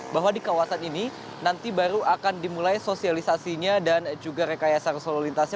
bahwa di kawasan ini nanti baru akan dimulai sosialisasinya dan juga rekayasa arus lalu lintasnya